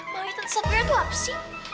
mami tante safira tuh apa sih